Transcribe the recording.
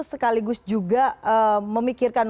sekaligus juga memikirkan